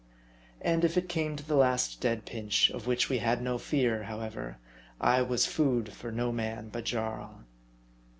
And if it came to the last dead pinch, of which we had no fear, however, I was food for no man but Jarl.